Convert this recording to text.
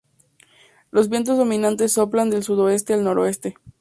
Los vientos dominantes soplan del sudoeste a noroeste.